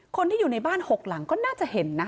คนที่อยู่ในบ้าน๖หลังก็น่าจะเห็นนะ